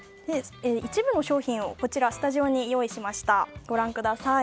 一部の商品をスタジオに用意しました。